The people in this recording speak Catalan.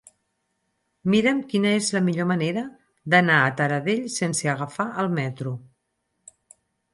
Mira'm quina és la millor manera d'anar a Taradell sense agafar el metro.